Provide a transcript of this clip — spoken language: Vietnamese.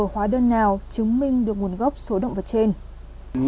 hóa đơn nào chứng minh được nguồn gốc số động vật trên